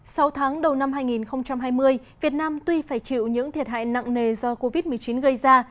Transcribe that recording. sau tháng đầu năm hai nghìn hai mươi việt nam tuy phải chịu những thiệt hại nặng nề do covid một mươi chín gây ra